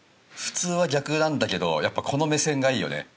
普通は逆なんだけどやっぱこの目線がいいよね。